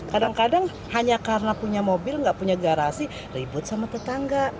kadang kadang hanya karena punya mobil nggak punya garasi ribut sama tetangga